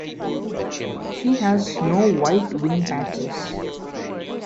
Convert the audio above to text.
She has no white wing patches.